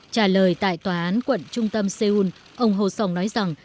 trả lời tại tòa án quận trung tâm seoul ông ho song nói rằng